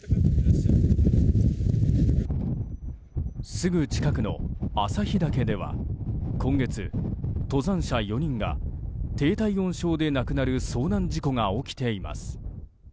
すぐ近くの朝日岳では今月、登山者４人が低体温症で亡くなる遭難事故が起きています。